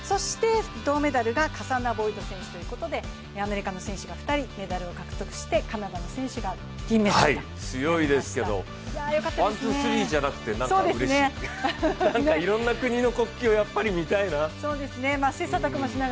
銅メダルがカサナボイド選手ということで、アメリカの選手が２人メダルを獲得してカナダの選手が銀メダルとなりました。